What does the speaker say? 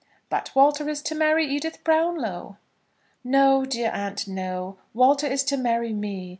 "But Walter is to marry Edith Brownlow." "No, dear aunt; no. Walter is to marry me.